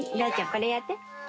これやって。